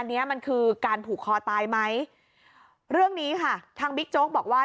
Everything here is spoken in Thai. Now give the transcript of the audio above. เนี้ยมันคือการผูกคอตายไหมเรื่องนี้ค่ะทางบิ๊กโจ๊กบอกว่า